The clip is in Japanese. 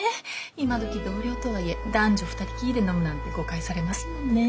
今どき同僚とはいえ男女二人きりで飲むなんて誤解されますもんね。